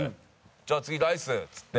じゃあ次ライスっつって。